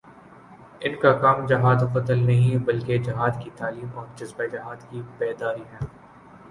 ان کا کام جہاد و قتال نہیں، بلکہ جہادکی تعلیم اور جذبۂ جہاد کی بیداری ہے